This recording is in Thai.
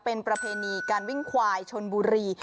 เป็นประเพณีการวิ่งควายชนบุรี